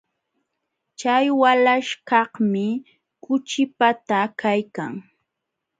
Chay walaśhkaqmi kuchipata kaykan.